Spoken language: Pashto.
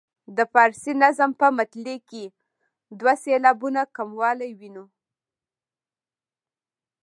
د فارسي نظم په مطلع کې دوه سېلابونه کموالی وینو.